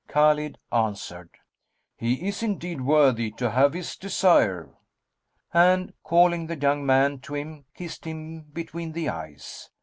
Khбlid answered, "He is indeed worthy to have his desire;" and, calling the young man to him, kissed him between the eyes.